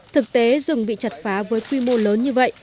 thực tế rừng bị chặt phá với quy mô lớn như vậy